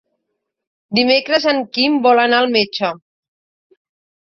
Dimecres en Quim vol anar al metge.